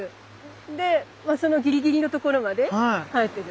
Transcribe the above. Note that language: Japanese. でそのギリギリのところまで生えてる。